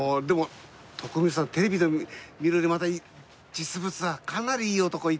でも徳光さんテレビで見るよりまた実物はかなりいい男。